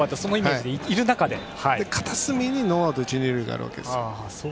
で、片隅にノーアウト一、二塁があるわけですよ。